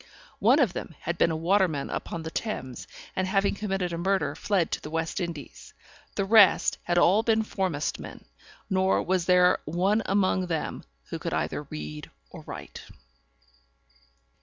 One of them had been a waterman upon the Thames, and having committed a murder, fled to the West Indies. The rest had all been foremastmen, nor was there one among them who could either read or write.